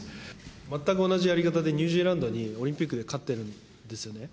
全く同じやり方で、ニュージーランドにオリンピックで勝ってるんですよね。